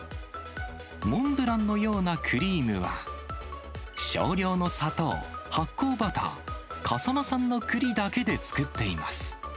モンブランのようなクリームは、少量の砂糖、発酵バター、笠間産のくりだけで作っています。